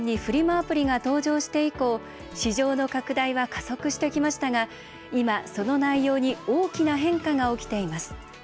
アプリが登場して以降市場の拡大は加速してきましたが今、その内容に大きな変化が起きています。